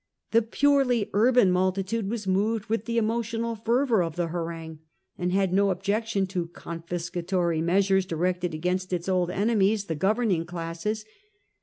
The purely urban multitude was moved with the emotional fervour of the harangue, and had no objection to confiscatory measures directed against its old enemies, the governing classes.